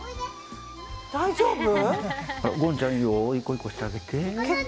大丈夫？